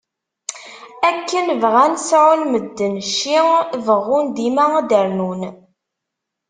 Akken bɣun sεan medden cci, beɣɣun dima ad d-rnun.